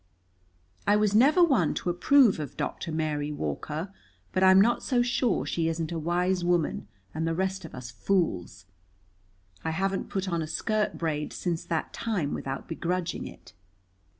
I was never one to approve of Doctor Mary Walker, but I'm not so sure she isn't a wise woman and the rest of us fools. I haven't put on a skirt braid since that time without begrudging it.